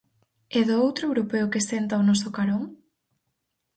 E do outro europeo que senta ao noso carón?